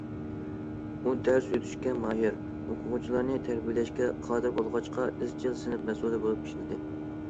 ئۇ دەرس ئۆتۈشكە ماھىر، ئوقۇغۇچىلارنى تەربىيەلەشكە قادىر بولغاچقا ئىزچىل سىنىپ مەسئۇلى بولۇپ ئىشلىدى.